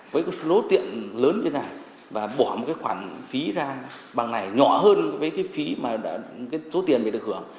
và bỏ một cái khoản phí ra bằng này nhỏ hơn với cái phí mà số tiền bị được hưởng